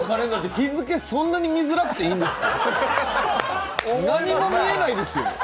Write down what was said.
日付、そんなに見づらくていいんですか？